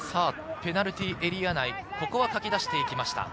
ペナルティーエリア内、かき出していきました。